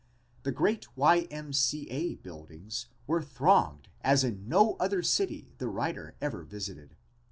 The great Y. M. C. A. buildings were thronged as in no other city the writer ever visited.